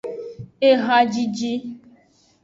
Ehajiji.